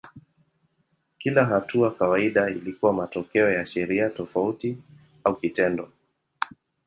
Kila hatua kawaida ilikuwa matokeo ya sheria tofauti au kitendo.